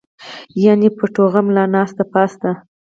يعني پۀ ټوغه ملا ناسته پاسته